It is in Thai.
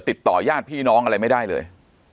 ติดต่อยาดพี่น้องอะไรไม่ได้เลย